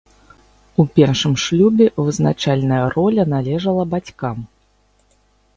У першым шлюбе вызначальная роля належала бацькам.